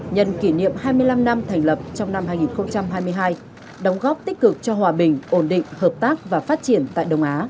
nhân kỷ niệm hai mươi năm năm thành lập trong năm hai nghìn hai mươi hai đóng góp tích cực cho hòa bình ổn định hợp tác và phát triển tại đông á